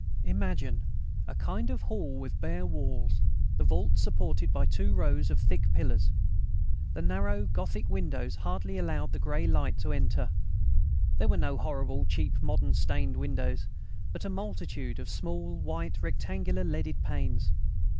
Imagine a kind of hall with bare walls, the vault supported by two rows of thick pillars. The narrow Gothic windows hardly allowed the grey light to enter. There were no horrible cheap modern stained windows, but a multitude of small white rectangular leaded panes.